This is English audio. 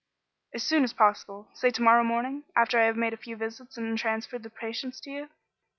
"As soon as possible. Say to morrow morning, after I have made a few visits and transferred the patients to you."